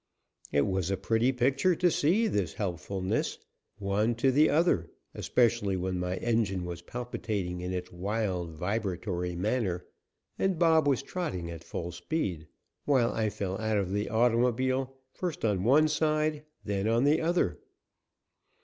It was a pretty picture to see this helpfulness, one to the other, especially when my engine was palpitating in its wild, vibratory manner, and Bob was trotting at full speed, while I fell out of the automobile, first on one side and then on the other.